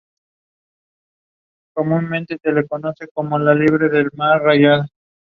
Por primera vez en España la Warner Bros.